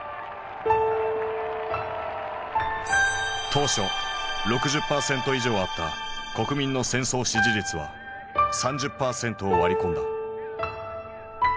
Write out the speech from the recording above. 当初６０％以上あった国民の戦争支持率は３０％を割り込んだ。